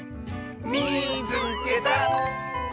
「みいつけた！」。